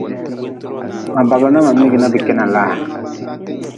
Ma bagili na ma migi na bi kena laa.